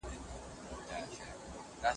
سالم خوراک ورځ اسانه کوي.